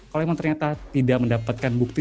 kalau memang ternyata tidak mendapatkan bukti